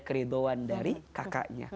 keridhoan dari kakaknya